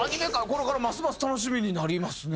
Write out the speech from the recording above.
これからますます楽しみになりますね。